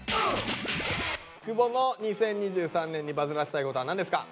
久保の２０２３年にバズらせたいことは何ですか？